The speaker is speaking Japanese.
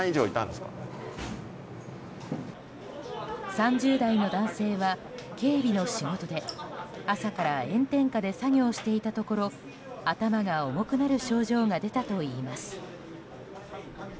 ３０代の男性は警備の仕事で朝から炎天下で作業していたところ頭が重くなる症状が出たといいます。